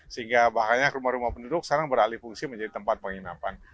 sehingga bahkan rumah rumah penduduk sekarang beralih fungsi menjadi tempat penginapan